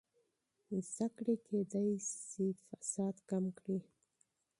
تعلیم ممکن فساد کم کړي.